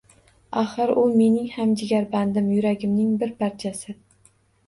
Axir u mening ham jigarbandim, yuragimning bir parchasi.